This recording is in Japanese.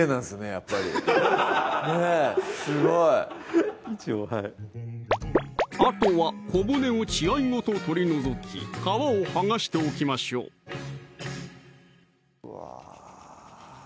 やっぱりねぇすごい一応はいあとは小骨を血合いごと取り除き皮を剥がしておきましょううわ